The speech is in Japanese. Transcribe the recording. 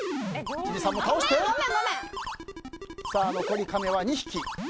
残りカメは２匹。